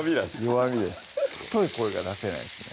弱みです太い声が出せないんですね